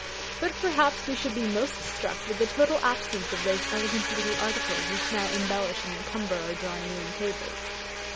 But perhaps we should be most struck with the total absence of those elegant little articles which now embellish and encumber our drawing room tables.